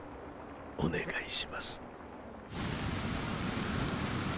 お願いします。